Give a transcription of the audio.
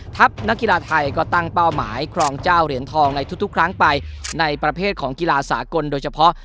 นักกีฬาไทยก็ตั้งเป้าหมายครองเจ้าเหรียญทองในทุกครั้งไปในประเภทของกีฬาสากลโดยเฉพาะ